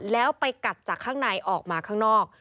แล้วไปกัดจากข้างในออกมาข้างนอก